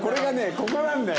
ここなんだよ。